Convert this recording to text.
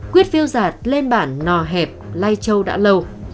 quyết phiêu giạt lên bản nò hẹp lai châu đã lâu